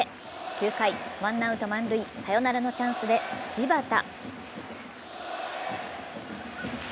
９回、ワンアウト満塁、サヨナラのチャンスで柴田。